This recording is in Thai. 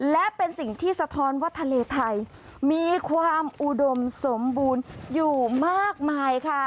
และเป็นสิ่งที่สะท้อนว่าทะเลไทยมีความอุดมสมบูรณ์อยู่มากมายค่ะ